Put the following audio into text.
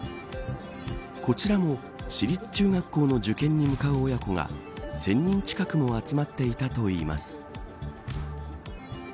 こちらも私立中学校の受験に向かう親子が１０００人近くも集まっていたといいます。